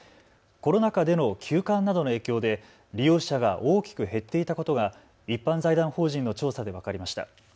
コロナ禍での休館などの影響で利用者が大きく減っていたことが一般財団法人の調査で分かりました。